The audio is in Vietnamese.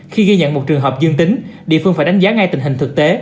khi ghi nhận một trường hợp dương tính địa phương phải đánh giá ngay tình hình thực tế